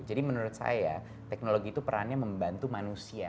jadi menurut saya teknologi itu perannya membantu manusia